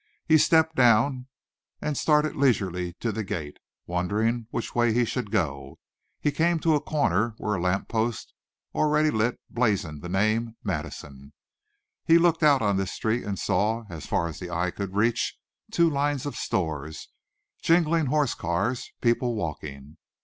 He stepped down and started leisurely to the gate, wondering which way he should go. He came to a corner where a lamp post already lit blazoned the name Madison. He looked out on this street and saw, as far as the eye could reach, two lines of stores, jingling horse cars, people walking.